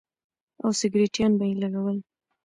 او سگرټيان به يې لگول.